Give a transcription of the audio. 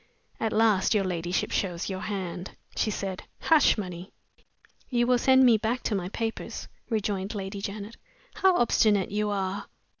"At last your ladyship shows your hand," she said. "Hush money!" "You will send me back to my papers," rejoined Lady Janet. "How obstinate you are!"